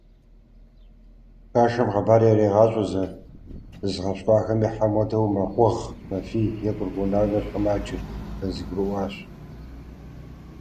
Хашэм хъыбар ярегъащӀэ зызыгъэпщкӀуахэми: хьэм хуэдэу мэкъугъ, мэфий, е кӀуркӀунаум ещхьу маджэ - зэрызэгурыӀуэщ.